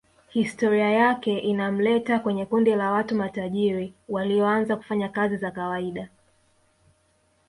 Historia yake inamleta kwenye kundi la watu matajiri walioanza kufanya kazi za kawaida